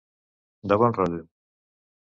De bon rotllo.